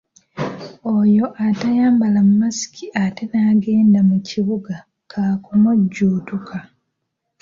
Oyo atayambala masiki ate n’agenda mu kibuga kaakumujjuutuka.